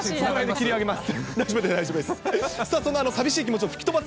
切り上げます。